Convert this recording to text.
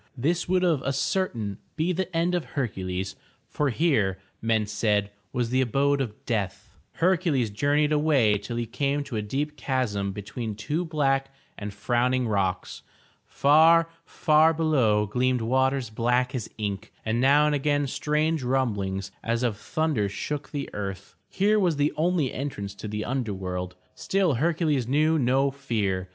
This would of a certain be the end of Hercules, for here, men said, was the abode of death. Hercules journeyed away till he came to a deep chasm be tween two black and frowning rocks. Far, far below gleamed waters black as ink and now and again strange rumblings as of thunder shook the earth. Here was the only entrance to the under world. Still Hercules knew no fear.